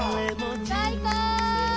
最高！